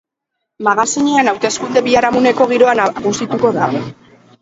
Magazinean, hauteskunde biharamuneko giroa nagusituko da.